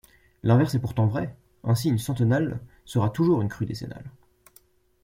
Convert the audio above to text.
L'inverse est pourtant vrai, ainsi une centennale sera toujours une crue décennale.